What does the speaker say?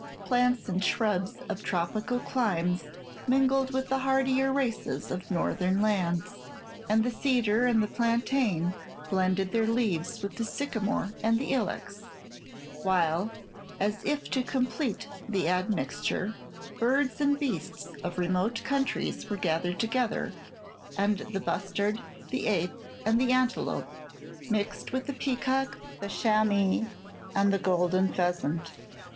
Plants and shrubs of tropical climes mingled with the hardier races of Northern lands; and the cedar and the plantain blended their leaves with the sycamore and the ilex; while, as if to complete the admixture, birds and beasts of remote countries were gathered together; and the bustard, the ape, and the antelope mixed with the peacock, the chamois, and the golden pheasant.